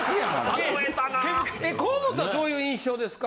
河本はどういう印象ですか。